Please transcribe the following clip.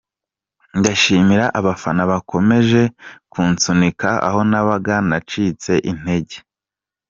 Ndashimira abafana bakomeje kunsunika aho nabaga nacitse intege.”